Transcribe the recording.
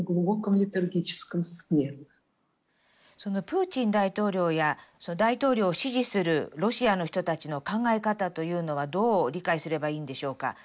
プーチン大統領や大統領を支持するロシアの人たちの考え方というのはどう理解すればいいんでしょうか？